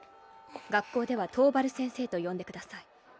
学校では桃原先生と呼んでください。